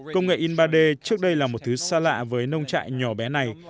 công nghệ in ba d trước đây là một thứ xa lạ với nông trại nhỏ bé này